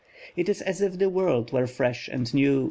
It is as if the world were fresh and new.